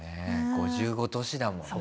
５５都市だもんね